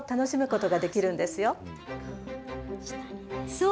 そう！